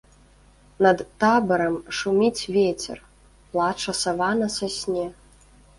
Над табарам шуміць вецер, плача сава на сасне.